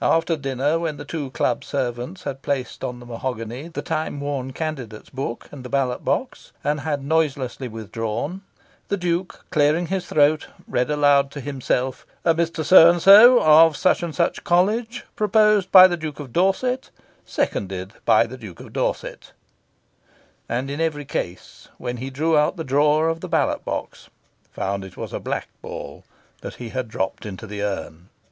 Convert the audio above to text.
After dinner, when the two club servants had placed on the mahogany the time worn Candidates' Book and the ballot box, and had noiselessly withdrawn, the Duke, clearing his throat, read aloud to himself "Mr. So and So, of Such and Such College, proposed by the Duke of Dorset, seconded by the Duke of Dorset," and, in every case, when he drew out the drawer of the ballot box, found it was a black ball that he had dropped into the urn.